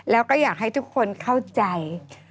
แล้วก็อยากให้ทุกคนเข้าใจ